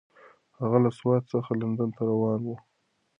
هغه له سوات څخه لندن ته روانه وه.